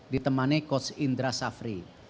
ditemani coach indra safri